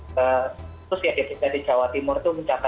terus ya di jawa timur itu mencapai delapan puluh